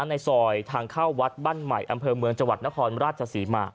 ในซอยทางเข้าวัดบ้านใหม่อำเภอเมืองจังหวัดนครราชศรีมา